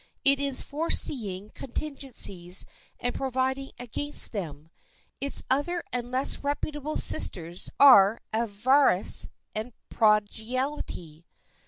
It is foreseeing contingencies and providing against them. Its other and less reputable sisters are Avarice and Prodigality.